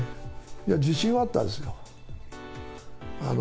いや、自信はあったんですよ。